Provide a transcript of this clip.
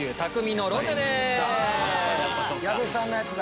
矢部さんのやつだ。